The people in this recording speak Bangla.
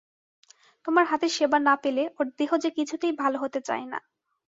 তোমার হাতের সেবা না পেলে ওর দেহ যে কিছুতেই ভালো হতে চায় না।